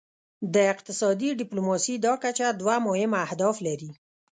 د اقتصادي ډیپلوماسي دا کچه دوه مهم اهداف لري